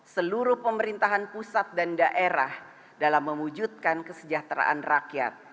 seluruh pemerintahan pusat dan daerah dalam mewujudkan kesejahteraan rakyat